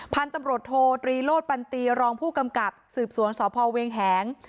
พันธุ์ตำรวจโทตรีโลศปันตีรองผู้กำกับสืบสวนสพเวงแหง